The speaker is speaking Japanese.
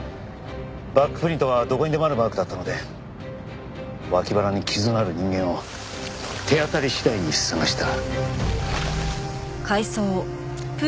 バックプリントはどこにでもあるマークだったので脇腹に傷のある人間を手当たり次第に捜した。